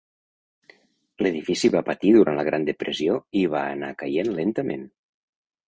L'edifici va patir durant la Gran Depressió i va anar caient lentament.